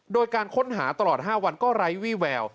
โดยการค้นหาตลอด๕วันก็ไร้วี่แวว